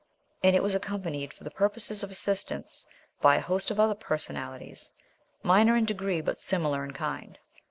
And it was accompanied for the purposes of assistance by a host of other personalities, minor in degree, but similar in kind.